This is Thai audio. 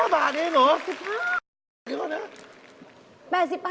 ๘๕บาทใช่ไหมอ๋อแบบนี้ก่อนนะ